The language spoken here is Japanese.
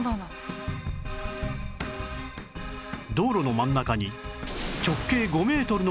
道路の真ん中に直径５メートルの大穴が